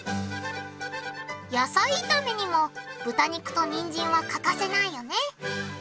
野菜炒めにも豚肉とにんじんは欠かせないよね。